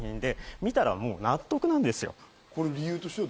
見たら、もう納得なんですよ。